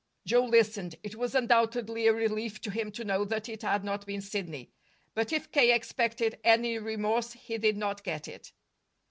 Joe listened. It was undoubtedly a relief to him to know that it had not been Sidney; but if K. expected any remorse, he did not get it.